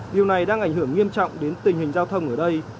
điều này đang ảnh hưởng nghiêm trọng đến tình hình giao thông ở đây